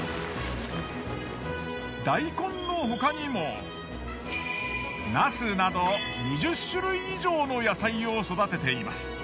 大根の他にもナスなど２０種類以上の野菜を育てています。